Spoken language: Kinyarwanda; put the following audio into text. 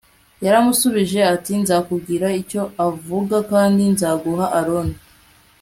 yaramushubije ati “nzakubwira icyo uzavuga kandi nzaguha aroni